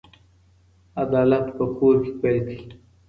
عدالت په کور کې پيل کړئ.